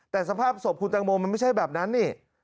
แต่สภาพศพคุณตังโมมันไม่ใช่แบบนั้นนี่